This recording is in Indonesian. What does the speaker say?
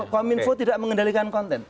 kominfo tidak mengendalikan konten